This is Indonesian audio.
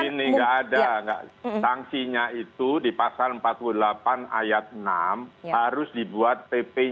ini nggak ada sanksinya itu di pasal empat puluh delapan ayat enam harus dibuat pp nya